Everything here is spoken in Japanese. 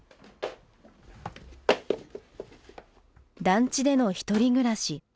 団地での１人暮らし。